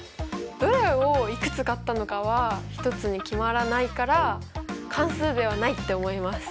どれをいくつ買ったのかは１つに決まらないから関数ではないって思います。